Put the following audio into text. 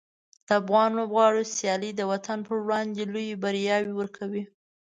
د افغان لوبغاړو سیالۍ د وطن پر وړاندې لویې بریاوې ورکوي.